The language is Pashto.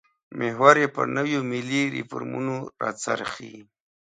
محور یې پر نویو ملي ریفورمونو راڅرخي.